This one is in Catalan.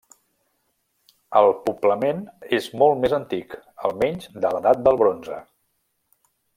El poblament és molt més antic, almenys de l'edat del bronze.